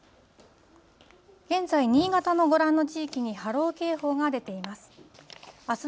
現在、新潟のご覧の地域に波浪警報が出ています。